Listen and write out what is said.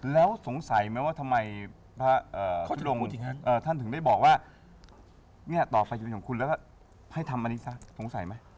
แล้วสงสัยไหมว่าทำไมพระท่านถึงได้บอกว่าเนี่ยต่อไปจะเป็นของคุณแล้วก็ให้ทำอันนี้ซะสงสัยไหม